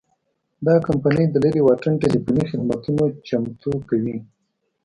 دا کمپنۍ د لرې واټن ټیلیفوني خدمتونه چمتو کوي.